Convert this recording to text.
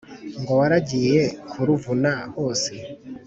ngo waragiye kuruvuna hose